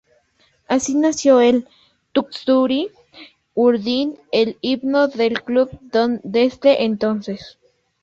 Así nació el "Txuri-urdin", el himno del club desde entonces.